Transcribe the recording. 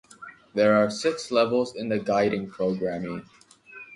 There are six levels in the Guiding programme.